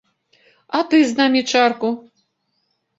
А ты з намі чарку?